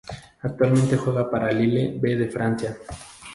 Actualmente juega para el Lille "B" de Francia.